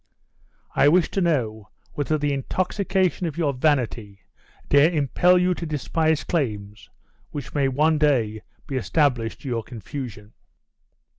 I wish to know whether the intoxication of your vanity dare impel you to despise claims which may one day be established to your confusion."